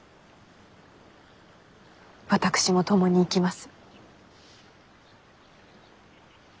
私も共にいきます。